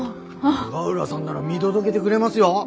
永浦さんなら見届げでくれますよ。